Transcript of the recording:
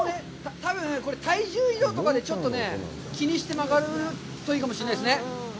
多分、これ、体重移動とかで気にして曲がるといいかもしれないですね。